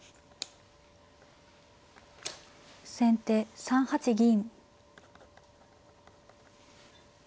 先手３八銀。